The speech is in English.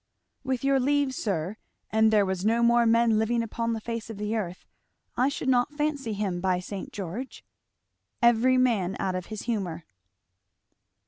With your leave, sir, an' there were no more men living upon the face of the earth, I should not fancy him, by St. George. Every Man Out of His Humour.